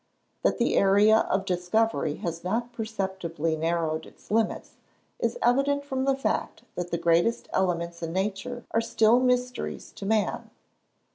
That the area of discovery has not perceptibly narrowed its limits, is evident from the fact that the greatest elements in nature are still mysteries to man.